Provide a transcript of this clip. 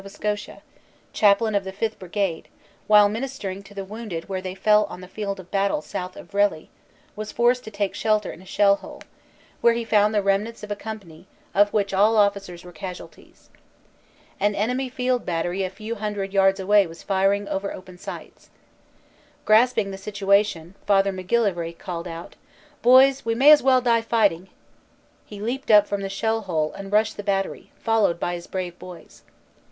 S., chaplain of the 5th Brigade, while minis tering to the wounded where they fell on the field of battle south of Vrely, was forced to take shelter in a shell hole, where he found the remnants of a company of which all officers were casualties. An enemy field battery a few hundred yards away was firing over open sights. Grasping the situation, Father MacGillivray called out, "Boys, we may as well die fighting." He leaped from the shell hole and rushed the battery, followed by his brave boys.